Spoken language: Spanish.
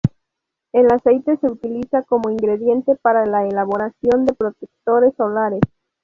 El aceite se utiliza como ingrediente para la elaboración de protectores solares.